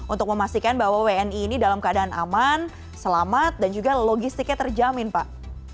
untuk memastikan bahwa wni ini dalam keadaan aman selamat dan juga logistiknya terjamin pak